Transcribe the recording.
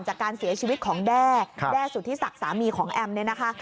จากการเสียชีวิตของแด้แด้สุธิศักดิ์สามีของแอมเนี่ยนะคะ